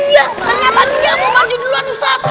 iya ternyata dia mau maju duluan satu